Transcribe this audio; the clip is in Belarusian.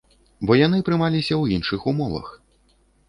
Бо яны прымаліся ў іншых умовах.